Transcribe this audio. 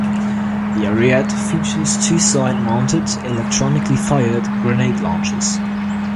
The Ariete features two side-mounted, electronically fired grenade launchers.